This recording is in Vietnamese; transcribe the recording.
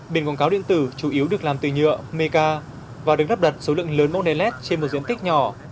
bình quảng cáo điện tử chủ yếu được làm từ nhựa meca và được đắp đặt số lượng lớn mốc đèn led trên một diện tích nhỏ